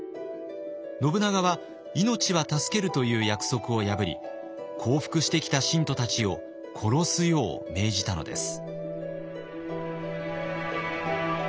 信長は「命は助ける」という約束を破り降伏してきた信徒たちを殺すよう命じたのです。